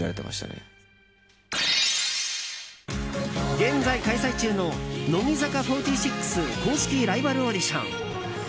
現在開催中の乃木坂４６公式ライバルオーディション。